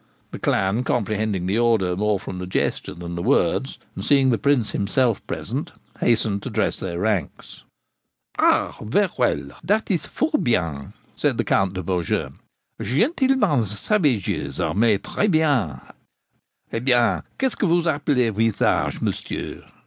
The clan, comprehending the order more from the gesture than the words, and seeing the Prince himself present, hastened to dress their ranks. 'Ah! ver well! dat is fort bien!' said the Count de Beaujeu. 'Gentilmans sauvages! mais, tres bien. Eh bien! Qu'est ce que vous appelez visage, Monsieur?'